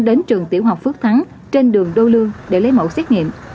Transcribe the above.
đến trường tiểu học phước thắng trên đường đô lương để lấy mẫu xét nghiệm